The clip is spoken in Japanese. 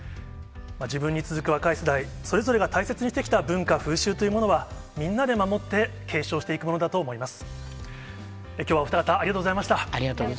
自分に続く若い世代、それぞれが大切にしてきた文化、風習というものは、みんなで守って、継承していくものだと思います。